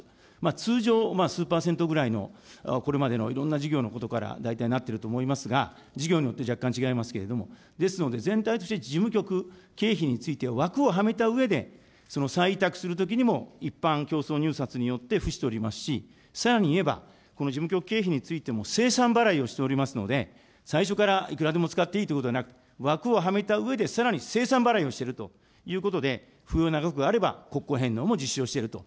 通常、数％ぐらいのこれまでのいろんな事業のことから大体なってると思いますが、事業によって若干違いますけれども、ですので、全体として事務局経費について、枠をはめたうえで、その再委託するときにも、一般競争入札によってふしておりますし、さらに言えば、この事務局経費についても、せいさん払いをしておりますので、最初からいくらでも使っていいということではなくて、枠をはめたうえで、さらにせいさん払いをしてるということで、あれば国庫返納も実施していると。